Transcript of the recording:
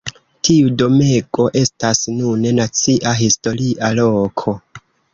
Tiu domego estas nune Nacia Historia Loko.